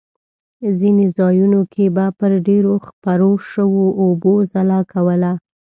ځینې ځایونو کې به پر ډبرو خپرو شوو اوبو ځلا کوله.